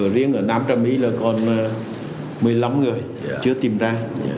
riêng ở nam trà my là còn một mươi năm người chưa tìm ra